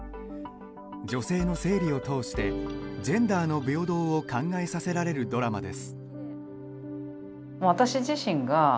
女性の生理を通してジェンダーの平等を考えさせられるドラマです。